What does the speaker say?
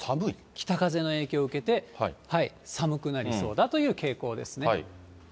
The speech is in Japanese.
北風の影響を受けて、寒くなりそうだという傾向ですね。